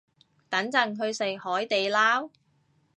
等陣去食海地撈